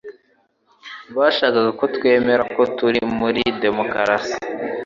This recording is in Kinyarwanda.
Bashaka ko twemera ko turi muri demokarasi.